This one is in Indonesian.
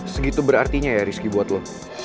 segitu berartinya ya risky buat lo